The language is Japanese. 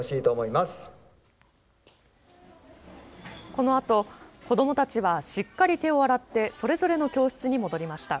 このあと子どもたちは、しっかり手を洗ってそれぞれの教室に戻りました。